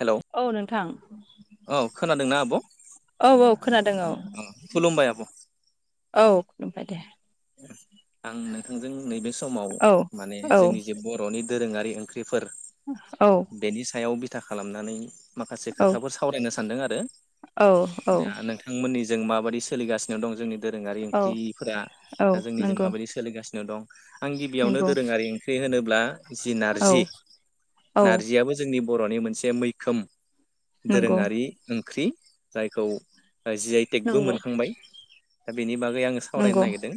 Hello औ नोंथां औ खोनादोंना आब? औ औ खोनादों औ खुलुमबाय आब' औ खुलुमबाय दे आं नोंथांजों नैबे समाव औ माने औ जोंनि जे बरनि दोरोङारि ओंख्रि फोर औ बेनि सायाव बि था खालामनानै माखासे औ खोथाफोर सावरायनो सा सान्दों आरो औ दा नोंथांमोननि जों माबादि सोलिगानो दं जोंनि दोरोङारि औ ओंख्रिफोरा औ दा जोंनिजों नंगौ माबायदि सोलिगासिनो दं, आं गिबियावनो नंगौ दोरोङारि ओंख्रि होनोब्ला जि औ नारजि औ नारजियाबो जोंनि बरनि मोनसे मैखोम नंगौ दोरोङारि ओंख्रि जायखौ जि आइ टेकबो नंगौ मोनखांबाय बेनि बा गै आङो सावरायनो नंगौ नागिरदों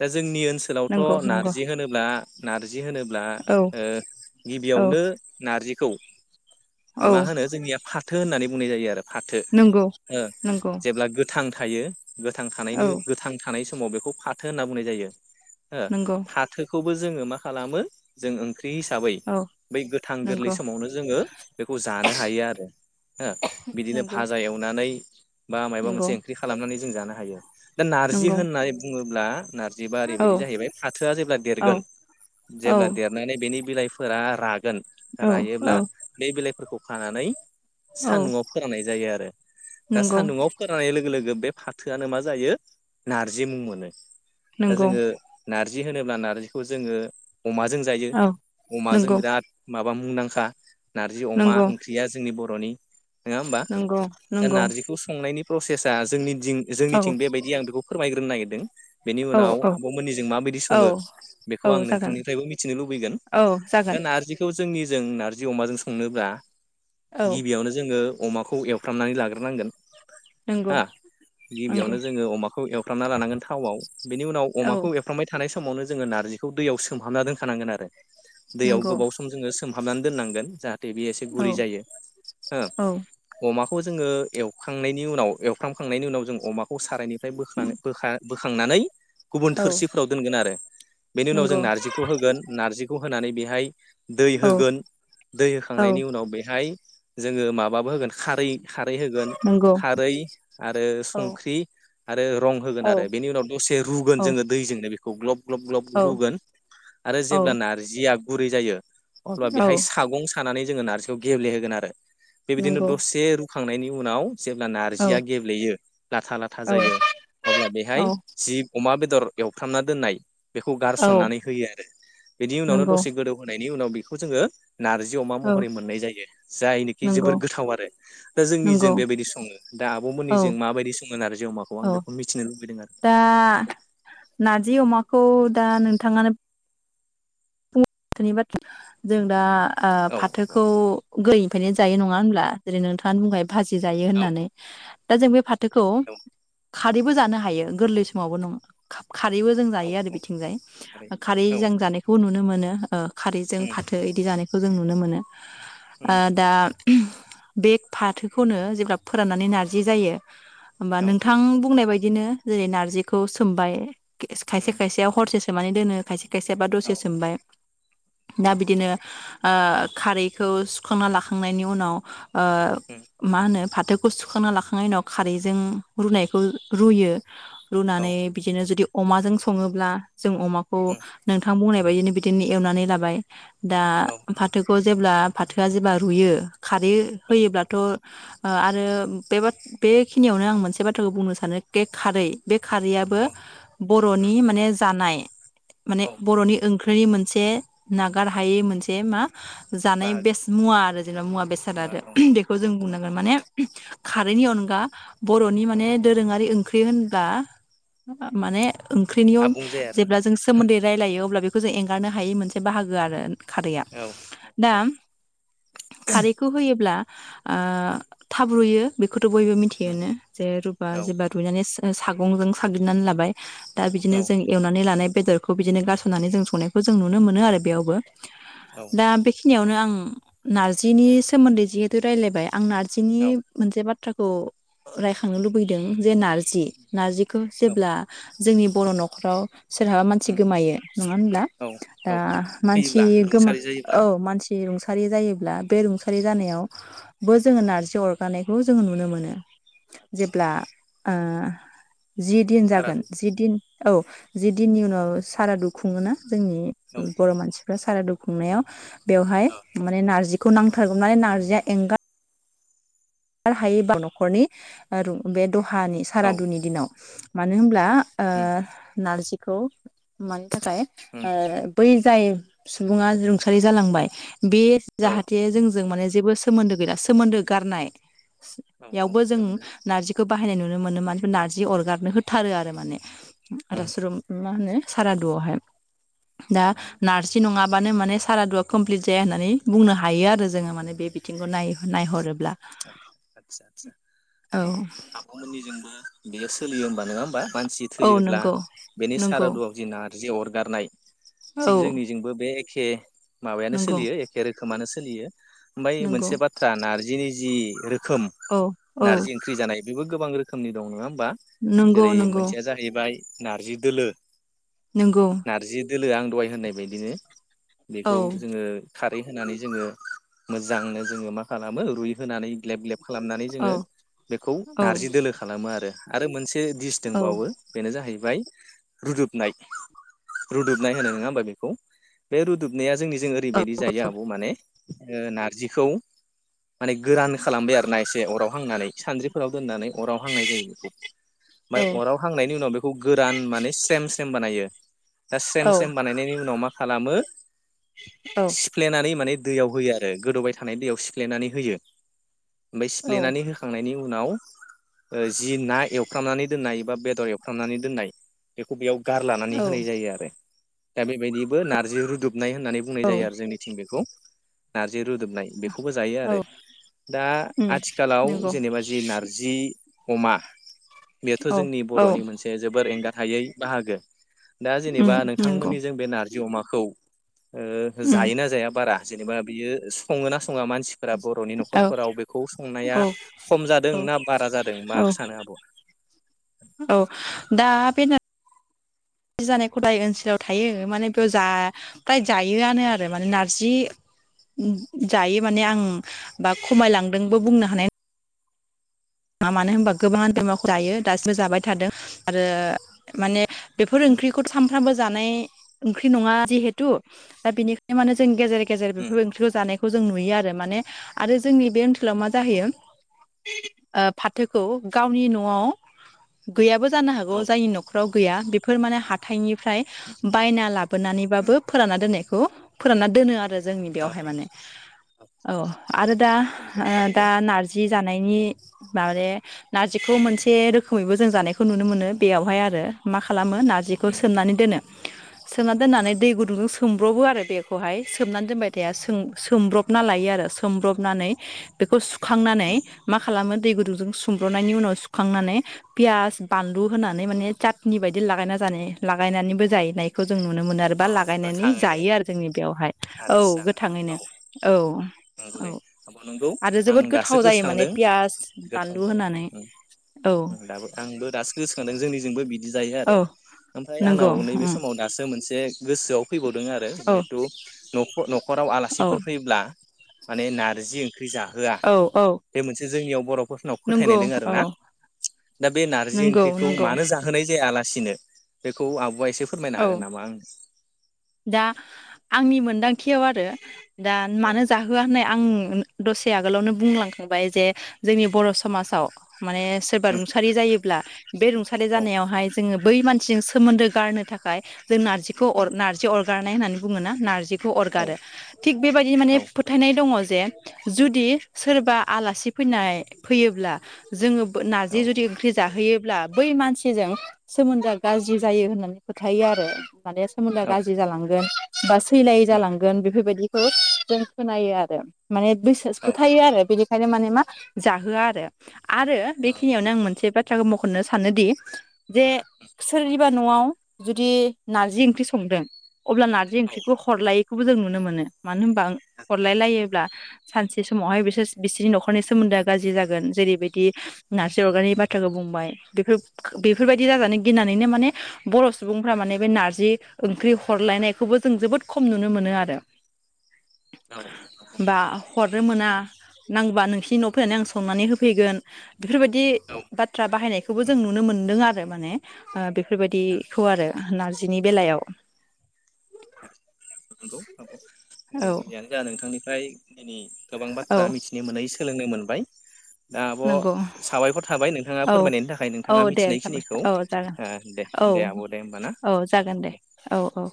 दा जोंनि ओन सोलावथ नंगौ नंगौ नारजि होनोब्ला नार जि होनोब्ला औ ओ औ गिबियावनो नारजिखौ औ मा होनो जोंनिया फाथो होननानै बुंनाय जायो आरो फाथो नंगौ ओ नंगौ जेब्ला गोथां थायो। गोथां थानायनि औ गोथां थानायस समाव बेखौ फा थो होनना बुंनाय जायो। हो नंगौ फाथोखौ जोङो मा खालामो जों ओंख [unintelligible] हिसाबै औ बै गोथां गोरलै नंगौ समावनो जोङो बेखौ जानो हायो आरो हो बिदिनो नंगौ भाजा एवनानै बा मायबा मोनसे नंगौ ओंख्रि खालामनानै जों जानो हायो। दा नार्जि नंगौ होननानै बुङो ब्ला नारजि बा औ ओरैबायदि जाहैबाय फाथोआ जेब्ला औ देरगोन औ जेब्ला देरनानै बेनि बिलाइ फोरा रा गोन औ औ रायोब्ला बे बिलाइफोरखौ खानानै औ सान्दुंआव फोराननाय जायो आ रो दा नंगौ सान्दुङाव फोरोननाय लोगो लोगो बे फाथोआनो मा जायो नारजि मुं मोनो। दा नंगौ जोङो नारजि जि होनोब्ला नारजिखौ जोङो अमाजों जायो औ अमाजों नंगौ बिराद माब बा मुंदांखा नारजि अमा नंगौ ओंख्रिया जोंनि ब र'नि नङा होमबा नंगौ दा नंगौ नारजिखौ संनायनि प्रसेसा जोंनि दिं औ जोंनिथिं बेबायदि आं बेखौ फोरमायग्रोनो नागिर दों। बेनि औ उनाव औ आब'मोननिजों माबायदि औ सङो बेखौ आं औ जागोन नोंथांनिफ्रायबो मिथिनो लुबैगोन औ दा जागोन नारजिखौ जोंनि जों नार्जि अमाजों संनोब्ला औ गिबियावनो जोङो अमाखौ एवफ्रामनानै लाग्रोनांगोन। नंगौ हा नंगौ गिबियावनो जोङो अमाखौ एवफ्रामना लानांगोन। थावआव बेनि उनाव औ अमाखौ एरफ्रामबाय था थानाय समावनो जोङो नारजिखौ दैयाव सोमहाबना दोनखानांगोन आरो । दैयाव नंगौ गोबाव सम जोङो सोम हाबनानै दोननांगोन जाहाथ दे बि एसे औ गुरै जायो औ हो अमा खौ जोङो एवखांनायनि उनाव एवफ्रामखांनायनि उनाव जों अमा खौ सारायनिफ्राय बोखा-बोखा बोखांनानै गुबुन औ थोरसिफोराव दोनगोन आरो । बेनि उनाव जों नंगौ नारजिखौ होगोन नारजिखौ होनानै बे हाय दै औ होगोन दै औ होखांनायनि उनाव बेहाय जोङो माबाबो होगोन खारै खारै होगोन नंगौ खारै आरो औ संख्रि आरो रं होगोन औ आर बेनि उनाव दसे रुगोन जोङो दैजोंनो बेखौ ग्लब ग्लब ग्लब औ रुगोन आरो औ जेब्ला नारजि दैया गुरै जायो अब्ला औ बेहाय सागं स खानानै जोङो नारजिखौ गेबलेहोगोन आरो । बेबायदिनो नंगौ दसे रुख आंनायनि उनाव जेब्ला औ नारजिया गेब्लेयो लाथा लाथा औ जायो अब्ला बे औ हाय जिब अमा बेदर एवफ्रामना दोननाय बेखौ औ गारसननानै होयो आरो बिनि उनावनो नंगौ दसे गोदौ होनाय बेनि उनाव बेखौ जोङो नार्जि अमा औ महरै मोननाय जायो जायनोखि नंगौ जोबोर गोथाव आरो दा नंगौ जोंनिजों बेबायदि सङो दा औ आबौमोननिजों माबायदि सङो नार्जि अमाखौ औ आं बेखौ मिथिनो लुग दा नार्जि अ अमाखौ दा नोंथाङानो [unintelligible] जों दा ओ औ आब' औ फाथोखौ गै फायनो जायो नङा होनोमब्ला जेरै नोंथाङा बुंबाय भाजि जायो औ होननानै। दा जों बे फाथ थोखौ। खारैबो जानो हायो गोरलै समावबो नङ। खारैबो जों औ जायो आरो औ बिथिंजाय थारै खारै औ जों जानायखौ नुनो मोनो। ओ। खारैजों उम फाथो इदि जानाय खौ जों नुनो मोनो। ओ उम दा। बे फाथोखौनो जेब्ला फोराननानै नारजि जायो। होमबा औ नोंथां बुंनाय बायद दिनो जेरै नारजिखौ सोमबाय। खेस खायसे उम खायसेयाव हरसे सो माने दोनो खायसे। से बा औ दसे सोमबाय। दा बिदिनो ओ खारैखौ सुखांना लाखांनायनि उनाव। ओ उम माहोनो। फाथोखौ सुखांना लाखांनायनि उनाव खारैजों रुनायखौ रुयो। औ रुनानै बिदिनो जुदि। अमाजों सङोब्ला। जों अमाखौ उम नोंथां बुंनाय बायोनोबिदिनि। एवनानै लाबाय। दा औ फाथोखौ जेब्ला फाथोआ जेबा रुयो। खारै होयोब्लाथ'। ओ आरो बे बाथ बे खिनियावनो आं मोनसे बाथ्राखौ बुंनो सानो के खारै बे खारैयाबो औ उम बर'नि माने जानाय। माने औ बर'नि ओं ख्रि मोन से नागार हायै मोनसे मा। जानाय बाहागो बेस मुवा आरो जेनेबा मुवा बेसाद आरो बेखौ जों उम बुंनांगोन माने उम खारैनि अनगा बर'नि उम माने दोरोङारि ओं ख्रि होनब्ला माने। ओंख्रिनियाव आबुं जाया आरो जेब्ला जों सोमोन्दै रायलायो अब्ला बेख फोजों ए गारनो हायि मोनसे बाहागो आरो खारैया औ दा औ खारैखौ होयोब्ला आ उम थाबरुयो। बेखौथ' बयबो उम मिथियोनो जे रुपा औ जेब्ला रुइनानै सागंजों साग्लिनानै लाबाय दा बिदिनो औ जों एवनानै लानाय बेदरखौ बिदिनो गारस'नानै जों संनाय खौ जों नुनो मोनो आरो बेयावबो । उम दा बेखिनियावनो आं उम। नारजिनि सोमोन्दै जेहु थो रायलायबाय। आं नारजिनि औ मोनसे बाथ थ्राखौ रायखांनो लुबैदों जे नारजि नारजि खौ औ जेब्ला जोंनि बर' न'खराव सोरहाबा मानसि उम गोमायो नङा होनब्ला? औ दा औ मानसि थैयोब्ला गोमा रुंसारि जायोब्ला औ मानसि सि रुंसारि जायोब्ला बे रुंसारि जानायाव बो जोङो नारजि अरगानायखौ जोङो नुनो मोनो जेब्ला ओ जि दिन जागोन सारादु जि दिन औ जि दिननि उनाव सारादु खुङोना? औ जोंनि बर' मानसिफ्रा सारादु खु खुंनायाव बेवहाय औ माने नारजि खौ नांथारगौ माने नारजिया एंगार गार हायि बा न'खरनि ओ रु बे खाहानि औ सारादुनि दिनाव मानो होनब्ला ओ उम नारजि खौ माइ थाखाय उम ओ बै जाय सुबुङा रुंसारि जालांबाय बे औ जाहाथे जोंजों माने जेबो सो सोमोन्दो गैला सोमोन्दो गारनाय औ यावबो जों सोमोन्दो नारजिखौ बाहायनाय नुनो मोनो मानसिफोर नारजि अरगारनो होथारो आरो माने आरो उम सोरोम मा होनो सारादुआवहाय दा उम नारजि नङा मानो माने सारादुवा कमप्लिट जाया होननानै बुंनो हायो आरो जोङो माने बे बिथिंखौ नाय नायहरोब्ला। ओ आदसा आदसा औ नंगौ आब'मोननिजोंबो बेयो सोलियो होनबा नङा होमबा मानसि औ थैयोब्ला नंगौ बेनि नंगौ सारादुआव जि ना जि अरगारनाय औ थिग जोंनिजोंबो बे खे माबायानो नंगौ सोलियो एखे रोखोमानो सोलियो ओमफ्राय नंगौ मोनसे बाथ्रा नारजिनि जि रो खोम औ औ नारजि ओंख्रि जानाय बेबो गोबां रोखोमनि दं नङा हो बा नंगौ जेरै नंगौ मोनसेया जाहैबाय नारजि दोलो नोंगौ। नारजि दोलो आं दहाय होननाय बायदिनो बेखौ औ जोङो खारै होनानै जोङो मोजांनो जोङो मा खालामो रुइ होनानै ग्लेब ग्लेब खालामनानै औ जोङो बेखौ औ नारजि दोलो खालामो आरो आरो मोनसे दिस औ दंबावो बेनो जाहैबाय रुदुबनाय रुदबनाय होनो नङा होमबा बेखौ। बे रुदुबनाया जोंनि जों ओरैबायदि जायो आब' माने ओ नारजिखौ माने गोरान खालामबाय आरो ना एसे अराव हांनानै सानद्रिफोराव दोननानै अराव हांनाय जायो बेखौ ओमफाय अराव हांनायनि उनाव बेखौ गोरान माने स्रेम स्रेम बानायो स्रेम औ स्रेम बानायनायनि उनाव मा खालामो सिफ्लेनानै माने दैयाव होयो आरो गोदौबाय थानाय दैयाव सिफ्लायनानै होयो होयो ओमफाय औ सिफ्लेनानै होखांनायनि उनाव जि ना एवफ्रामनानै दोननाय बा बेदर एवफ्रनानै दोननाय बेखौ बेयाव गारलानानै होनाय जायो आरो दा बेबायदिबो नारजि रुदु नाय होननानै बुंनाय औ जायो आरो जोंनिथिं बेखौ आरो जे रोदोबनाय बेखौबो जायो औ आरो दा उम आथिखालाव नंगौ जेनेबा जि नारजि अमा बेथ औ जोंनि औ बरनि मोनसे जोबोर एंगार हायै बाहागो दा जेनेबा उम नंगौ नोंथांमोननिजों बे नारजि अमा औ ओ उम जायोना जाया बारा जेनेबा बियो संङो ना संङा मानसिफोरा बर'नि औ न'खरफोराव बेखौ संनाया औ खम जादों औ ना बारा जादों मा औ सानो आब'आ? औ दा बे नारजि जानाय खदाय ओनसोलाव थायो माने बेखौ जा फ्राय जायोआनो आरो माने नारजि जायो माने आं बा खमायलांदोंबो बुंनो हानाय मा मानो होनबा गोबां [unintelligible] दासिबो जाबाय थादों आरो माने बेफोर उम ओंख्रिखौ सानफ्रामबो जानाय ओंख्रि नंङा जिहेथु दा बेनिखायनो माने जों गेजेर गेजेर उम बेफोर ओंख्रिखौ जानाय जों नुयो आरो माने आरो जोंनि बे ओनसोलाव मा औ जाहैयो [inaudible] ओ फाथोखौ गावनि नआव गैयाबो जानो हागौ औ जायनि नखराव गैया बेफोर माने हाथाइनि फ्राय बायना उम लाबोनानैबाबो फोरानना दोनो खौ फोरानना दोनो आरो जोंनि औ बेयावहाय माने, आतसा औ आतसा औ आरो दा, बे नंगौ ओ दा थारैनो नारजि जानायनि माने नारजिखौ मोनसे रोखोमैबो जों जानायखौ नुनो मोनो बेयावहाय आरो मा खालामो नारजिखौ उम सोमनानै दोनो सोमना दोन्नानै दै गुदुंजों सोमब्रबो आरो बेखौहाय सोमनानै दोनबाय थाया सोम सोमब्रबना लायो आरो सोमब्रबनानै बेखौ सुखांनानै उम मा खालामो दै गुदुंजों सुमब्र'नायनि उनाव सुखांनानै पियास बानलु होनानै माने चाटनि बायदि लागायना जानाय लागायनानैबो जायनायखौ जों नुनो मोनो आरो बा औ लागायनानै गोथाङैनो जायो आरो जोंनि बेयावहाय औ आदसा गोथाङैनो। औ औ नंगौ औ दे आब' नंगौ आरो आं जोबोद दासो गोथाव जायो माने गोसोखांदों पियास गोथाव बानलु जायो होनानै उम औ उम दाबो आंबो दासो गोसोखांदों जोंनिजोंबो बिदि जायो आरो औ ओमफ्राय नंगौ आंनाव नैबे उम समाव दासो मोनसे [inaudible] गोसोआव फैबावदों आरो औ जेहेथु न'ख न खराव औ आलासिफोर फैयोब्ला माने नारजि ओं ख्रि जाहोआ, औ औ बे मोनसे जोंनियाव [inaudible] फोथायनाय नंगौ दों आरो औ ना दा बे नारजि नंगौ ओंख्रिखौ नंगौ मानो जाहोनाय जाया [inaudible] बेखौ आब'आ [inaudible] फोरमायनो औ हागोन नामा आंनो? [inaudible] दा आंनि मोनदांथियाव आरो दा औ मानो जाहोआ होननाया आं दसे आगोलावनो बुंलांखांबाय जे जोंनि बर' समाजाव माने सोरबा उम रुंसारि जायोब्ला बे रुंसारि औ जानायावहाय जोङो बै मानसिजों सोमोन्दो गारनो थाखाय जों नारजिखौ अर उम नार गारनाय होननानै बुङोना नारजि खौ औ अरगारो थिख बेबायदिनो माने औ फोथायनाय दङ जे जुदि सोरबा आलासि फैनाय फैयोब्ला जोङो नारजि जुदि ओंख्रि जाहोयो ब्ला बै मानसिजों सोमोनदोआ गाज्रि जायो होननानै फोथायो आरो माने सोमोन औ गाज्रि जालांगोन बा स सैलायै उम औ जालांगोन बेफोरबादि खौ जों खोनायो आरो। माने बिसास औ फोथायो आरो बिदि ओंखायनो माने मा जाहोआ आरो। आरो औ बेखिनियावनो आं मोनसे बाथ थ्राखो मख'नो सानोदि जे सोरनिबा न'आव जुदि नार्जि ओंख्रि सं [unintelligible] अब्ला नार्जि ओंख्रिखौ हरलाय - खौबो जों नुनो मोनो। मानो होनबा हरलाय लायोब्ला सानसे समावहाय बिसोर बिसोरनि नखरनि सोमोन्दोआ गाज्रि जागोन जेरैबायदि नार्जि अरगारनाय बाथ्राखौ बुंबाय बेफोर बेफोरबायदि जाजानो गिनानैनो माने बर सुबुंफ्रा माने बे नार्जि ओंख्रि हरलायनायखौबो जों जोबोद खम नुनो मोनो आरो। बा हरनो मोना नांगौबा नोंसिनि न'आव फैनानै आं संनानै होफैगोन, बेफोरबादि औ बाथ्रा बाहायनायखौबो जों नुनो मोन्दों आ रो माने ओ बेफोर बेफोरबादिखौ आरो। नार्जिनि बेलायाव। औ जियानो जा नोंथांनि फ्राय दिनि गोबां औ बाथ्रा मिथिनो मोनै सोलोंनो मोनबाय। दा आब' नंगौ साबायखर थाबाय नोंथाङा औ फोरमायनायनि थाखाय औ नोंथाङा दे जाबाय मिथिनायखिनिखौ औ जागोन दे औ दे आब' दे होमबा ना औ जागोन दे। औ औ